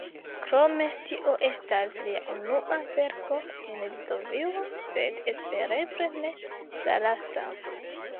Krome, tio estas lia unua verko en Litovio, sed, espereble, ne la lasta.